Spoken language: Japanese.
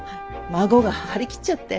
孫が張り切っちゃって。